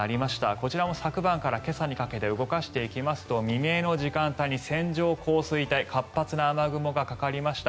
こちらも昨晩から今朝にかけて動かしていきますと未明の時間帯に線状降水帯活発な雨雲がかかりました。